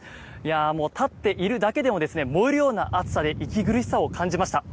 もう立っているだけでも燃えるような暑さで息苦しさを感じました。